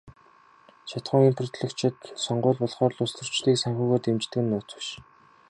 Шатахуун импортлогчид сонгууль болохоор л улстөрчдийг санхүүгээр дэмждэг нь нууц биш.